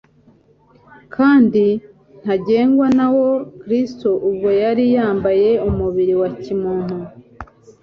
kandi ntagengwa na wo. Kristo ubwo yari yambaye umubiri wa kimuntu